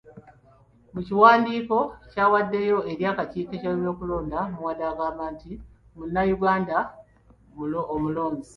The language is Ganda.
Mukiwandiiko ky'awaddeyo eri akakiiko k’ebyokulonda, Muwada agamba nti munnayuganda omulonzi.